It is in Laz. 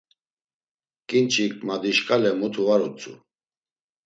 Ǩinçik madişkales mutu var utzu.